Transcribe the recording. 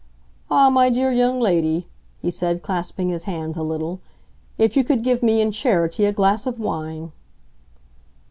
"Ah, my dear young lady," he said, clasping his hands a little, "if you could give me, in charity, a glass of wine!"